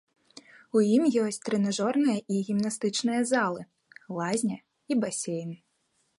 У ім ёсць трэнажорныя і гімнастычныя залы, лазня і басейн.